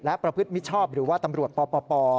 และประพฤติมิชชอบหรือว่าตำรวจปป